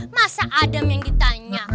masa adam yang ditanya